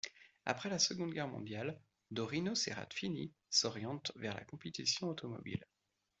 Après la seconde guerre mondiale, Dorino Serafini s'oriente vers la compétition automobile.